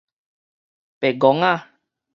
白戇仔